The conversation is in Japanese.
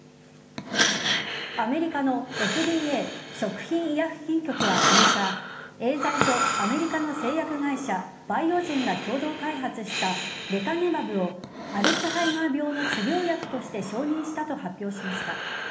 アメリカのＦＤＡ＝食品医薬品局は６日エーザイとアメリカの製薬会社バイオジェンが共同で開発したレカネマブをアルツハイマー病の治療薬として承認したと発表しました。